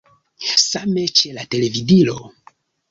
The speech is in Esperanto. Same ĉe la televidilo.